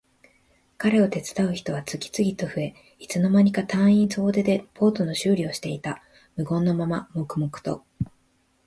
彼を手伝う人は次々と増え、いつの間にか隊員総出でボートの修理をしていた。無言のまま黙々と。